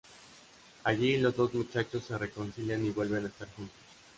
Allí los dos muchachos se reconcilian y vuelven a estar juntos.